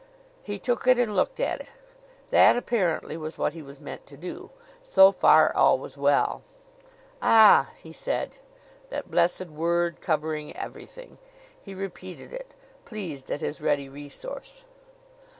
He took it and looked at it. That, apparently, was what he was meant to do. So far, all was well. "Ah!" he said that blessed word; covering everything! He repeated it, pleased at his ready resource.